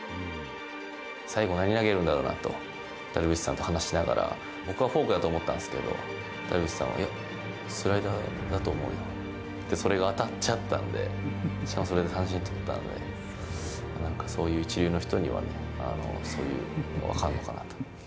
最後、何投げるんだろうなと、ダルビッシュさんと話しながら、僕はフォークだと思ったんですけど、ダルビッシュさんはスライダーだと思うよって、それが当たっちゃったんで、しかもそれで三振取ったので、なんかそういう一流の人には、そういうの分かるのかなと。